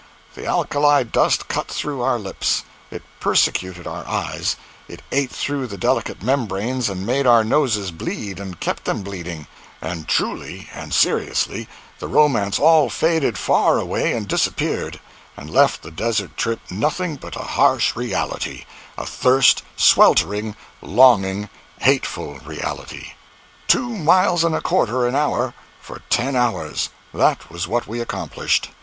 The alkali dust cut through our lips, it persecuted our eyes, it ate through the delicate membranes and made our noses bleed and kept them bleeding—and truly and seriously the romance all faded far away and disappeared, and left the desert trip nothing but a harsh reality—a thirsty, sweltering, longing, hateful reality! Two miles and a quarter an hour for ten hours—that was what we accomplished.